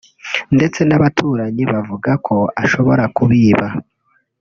ndetse n’abaturanyi bavuga ko ashobora kubiba